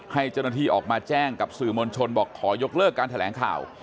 ให้เจ้าหน้าที่ออกมาแจ้งกับสื่อมวลชนบอกขอยกเลิกการแถลงข่าว